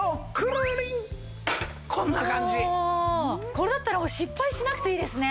これだったら失敗しなくていいですね。